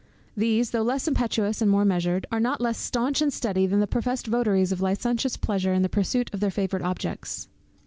These, though less impetuous and more measured, are not less staunch and steady, than the professed votaries of licentious pleasure, in the pursuit of their favourite objects.